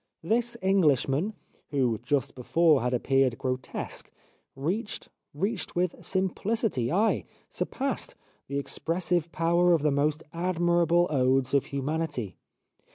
This Englishman, who just before had appeared grotesque, reached, reached with simplicity, ay, surpassed, the expressive power of the most admirable odes of humanity.